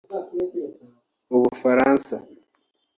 u Bufaransa